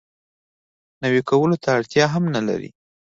نوي کولو ته اړتیا هم نه لري.